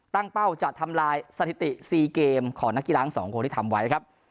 ตั้งเป้าจัดทำลายสถิติ๔เกมของนักกีฬางสองคนที่ทำไว้